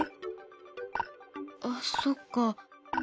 あっそっか。